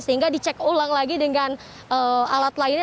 sehingga dicek ulang lagi dengan alat lainnya